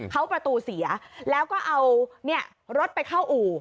เขาประตูเสียแล้วก็เอารถไปเข้าอู่